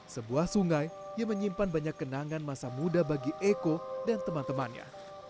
sebuah sungai yang menyimpan banyak kenangan masa muda bagi eko dan teman temannya